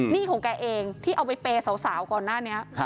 ของแกเองที่เอาไปเปย์สาวก่อนหน้านี้